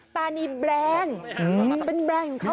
ตอนนี้แบรนด์อืมเป็นแบรนด์ของเขาเอง